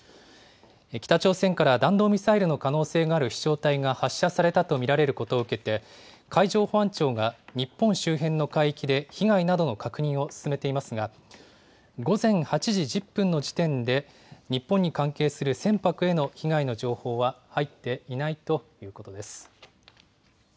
北朝鮮から弾道ミサイルの可能性がある飛しょう体が発射されたと見られることを受けて、海上保安庁が日本周辺の海域で、被害などの確認を進めていますが、午前８時１０分の時点で、日本に関係する船舶への被害の情報は入っていないということです。